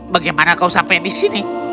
bagaimana kau sampai di sini